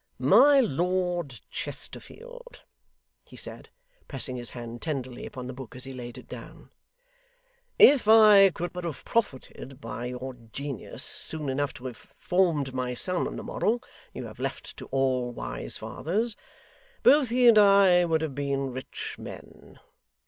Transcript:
'My Lord Chesterfield,' he said, pressing his hand tenderly upon the book as he laid it down, 'if I could but have profited by your genius soon enough to have formed my son on the model you have left to all wise fathers, both he and I would have been rich men.